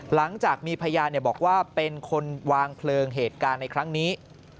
หลังจากมีพยานบอกว่าเป็นคนวางเพลิงเหตุการณ์ในครั้งนี้